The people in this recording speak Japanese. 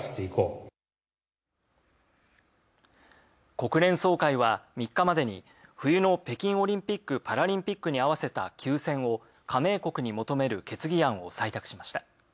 国連総会は３日までに冬の北京オリンピック・パラリンピックに合わせた休戦を加盟国に求める決議案を採択しました。